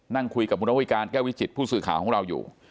นั่งคุยกับคุณอวิการแก้ววิจิตผู้สื่อข่าวของเราอยู่